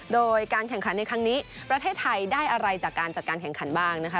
โดยการแข่งขันในครั้งนี้ประเทศไทยได้อะไรจากการจัดการแข่งขันบ้างนะคะ